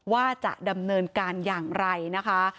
ว่าจะดำเนินการอย่างไรนะคะ